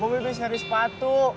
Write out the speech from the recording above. gue bisnis dari sepatu